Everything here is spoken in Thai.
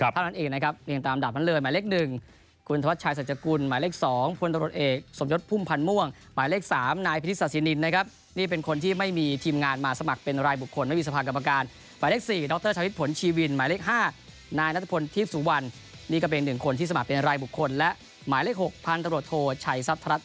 เพราะว่านั้นเองนะครับเรียงตามดับนั้นเลย